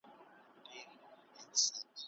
لویان هم کولای سي خپل مهارت لوړ کړي.